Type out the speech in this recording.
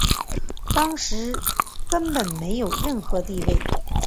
当时根本没有任何地位。